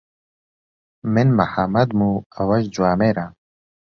من محەممەدم و ئەوەش جوامێرە.